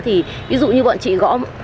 thì ví dụ như bọn chị gõ